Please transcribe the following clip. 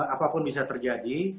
apapun bisa terjadi